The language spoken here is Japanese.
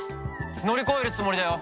乗り越えるつもりだよ。